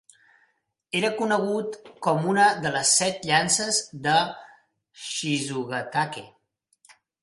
Era conegut com una de les "Set Llances de Shizugatake".